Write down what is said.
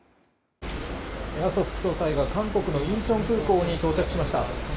麻生副総裁が、韓国のインチョン空港に到着しました。